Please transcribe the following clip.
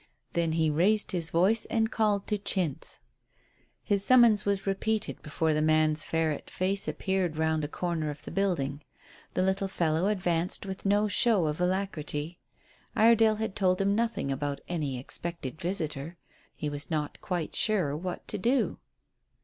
Then he raised his voice and called to Chintz. His summons was repeated before the man's ferret face appeared round a corner of the building. The little fellow advanced with no show of alacrity. Iredale had told him nothing about any expected visitor. He was not quite sure what to do.